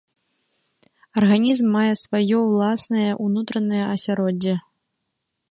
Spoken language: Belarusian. Арганізм мае сваё ўласнае ўнутранае асяроддзе.